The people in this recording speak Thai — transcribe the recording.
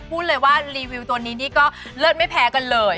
พูดเลยว่ารีวิวตัวนี้นี่ก็เลิศไม่แพ้กันเลย